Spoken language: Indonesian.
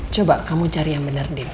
coba kamu cari yang bener deh